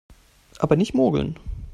Aber nicht mogeln!